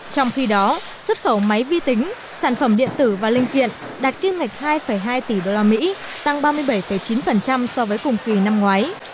trong khi đó xuất khẩu máy vi tính sản phẩm điện tử và linh kiện đạt kim ngạch hai hai tỷ usd tăng ba mươi bảy chín so với cùng kỳ năm ngoái